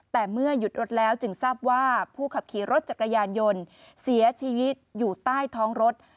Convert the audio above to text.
แต่เมื่อหยุดรถแล้วจึงทราบว่าผู้ขับขี่รถจักรยานยนต์เสียชีวิตอยู่ใต้ท้องรถ